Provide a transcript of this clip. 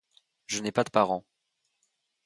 Je n'ai pas de parents.